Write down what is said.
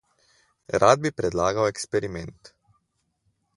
Rad bi predlagal eksperiment.